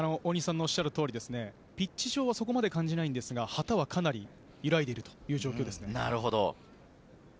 ピッチ上は、そこまで感じないのですが、旗はかなり揺らいでいるという状況です。